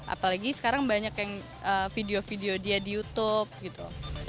apalagi sekarang banyak yang video video dia di youtube gitu